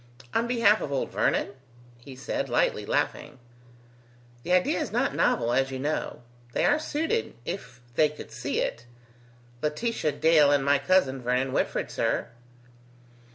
"On behalf of old Vernon?" he said, lightly laughing. "The idea is not novel, as you know. They are suited, if they could see it. Laetitia Dale and my cousin Vernon Whitford, sir."